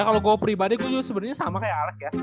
ya kalau gue pribadi gue sebenernya sama kayak alec ya